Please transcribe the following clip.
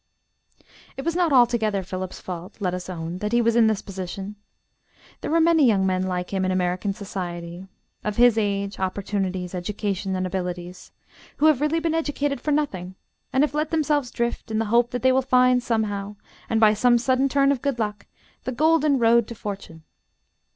It was not altogether Philip's fault, let us own, that he was in this position. There are many young men like him in American society, of his age, opportunities, education and abilities, who have really been educated for nothing and have let themselves drift, in the hope that they will find somehow, and by some sudden turn of good luck, the golden road to fortune.